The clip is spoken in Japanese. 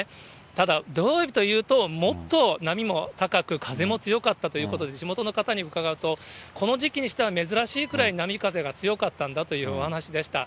ただ、土曜日というと、もっと波も高く、風も強かったということで、地元の方に伺うと、この時期にしては珍しいくらい、波風が強かったんだというお話でした。